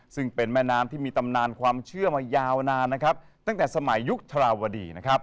ซึ่งเป็นแม่น้ำที่มีตำนานความเชื่อมายาวนานนะครับตั้งแต่สมัยยุคธราวดีนะครับ